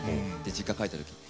実家に帰った時に。